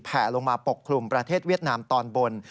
แผลลงมาปกคลุมประเทศเวียดนามตอนบน